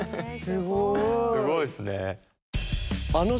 すごいっすね。